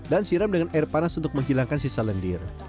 siram dengan air panas untuk menghilangkan sisa lendir